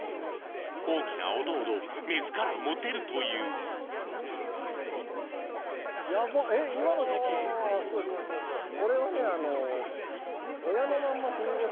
大きな音ほどメスからモテるというそうですだから。